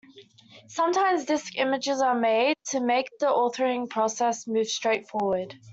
Sometimes, disc images are made to make the authoring process more straightforward.